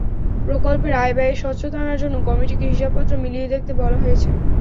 প্রকল্পের আয়-ব্যয়ে স্বচ্ছতা আনার জন্য কমিটিকে হিসাবপত্র মিলিয়ে দেখতে বলা হয়েছে।